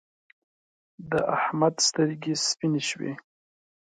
د احمد سترګې سپينې شوې.